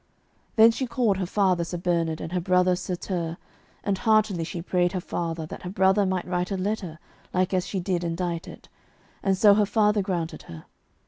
Then she called her father Sir Bernard and her brother Sir Tirre, and heartily she prayed her father that her brother might write a letter like as she did endite it, and so her father granted her.